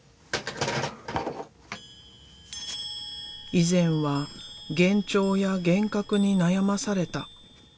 以前は幻聴や幻覚に悩まされた。